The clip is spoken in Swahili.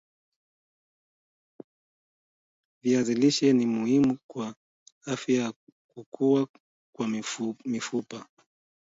viazi lishe ni muhimu kwa afya ya kukua kwa mifupa